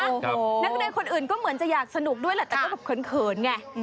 นักเรียนคนอื่นก็เหมือนจะอยากสนุกด้วยแหละแต่ก็แบบเขินไง